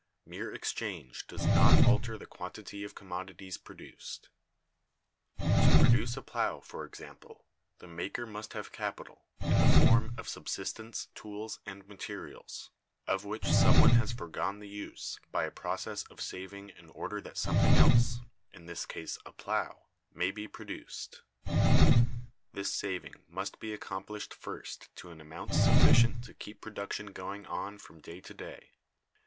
Mere exchange does not alter the quantity of commodities produced. To produce a plow, for example, the maker must have capital (in the form of subsistence, tools, and materials) of which some one has foregone the use by a process of saving in order that something else, in this case a plow, may be produced. This saving must be accomplished first to an amount sufficient to keep production going on from day to day.